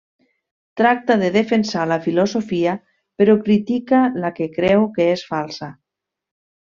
Tracta de defensar la filosofia, però critica la que creu que és falsa.